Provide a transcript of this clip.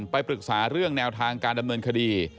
ไปปรึกษาเรื่องแนวทางการดำเนินคดี